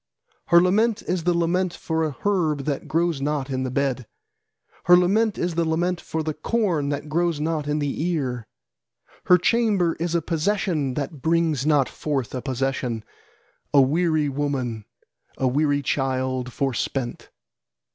Her lament is the lament for a herb that grows not in the bed, Her lament is the lament for the corn that grows not in the ear. Her chamber is a possession that brings not forth a possession, A weary woman, a weary child, forspent.